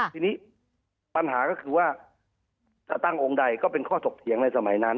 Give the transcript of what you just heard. ทีนี้ปัญหาก็คือว่าจะตั้งองค์ใดก็เป็นข้อถกเถียงในสมัยนั้น